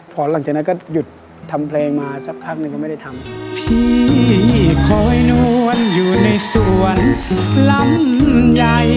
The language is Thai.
พอหลังจากนั้นก็หยุดทำเพลงมาสักพักหนึ่งก็ไม่ได้ทำ